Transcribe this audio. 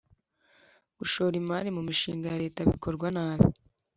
Gushora imari mu mishinga ya Leta bikorwa nabi